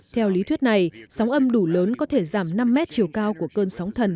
theo lý thuyết này sóng âm đủ lớn có thể giảm năm mét chiều cao của cơn sóng thần